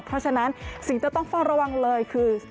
เพราะฉะนั้นสิ่งที่ต้องเฝ้าระวังเลยคือ